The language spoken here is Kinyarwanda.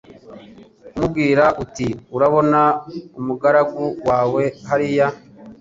kumubwira ati Urabona umugaragu wawe hariya